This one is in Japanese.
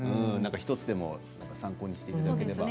１つでも参考にしていただければ。